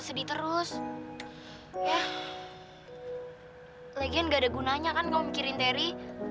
siapa sih yang mikirin teori